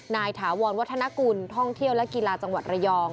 ถาวรวัฒนกุลท่องเที่ยวและกีฬาจังหวัดระยอง